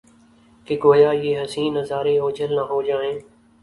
کہ گو یا یہ حسین نظارے اوجھل نہ ہو جائیں